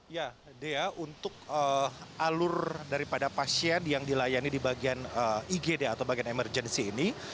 ya dea untuk alur daripada pasien yang dilayani di bagian igd atau bagian emergency ini